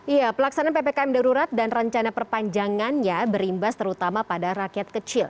iya pelaksanaan ppkm darurat dan rencana perpanjangannya berimbas terutama pada rakyat kecil